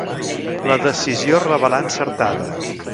La decisió es revelà encertada.